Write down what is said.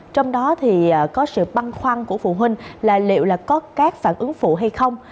trong đó thì có sự băn khoăn của phụ huynh là liệu là có các phản ứng phụ hay không